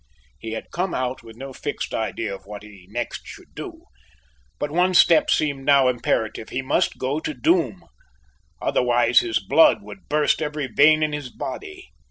He had come out with no fixed idea of what he next should do, but one step seemed now imperative he must go to Doom, otherwise his blood would burst every vein in his body.